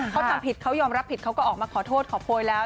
เขาทำผิดเขายอมรับผิดเขาก็ออกมาขอโทษขอโพยแล้ว